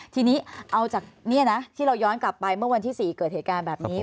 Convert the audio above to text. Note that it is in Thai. ทีนี้เอาจากนี่นะที่เราย้อนกลับไปเมื่อวันที่๔เกิดเหตุการณ์แบบนี้